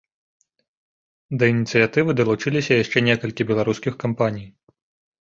Да ініцыятывы далучыліся яшчэ некалькі беларускіх кампаній.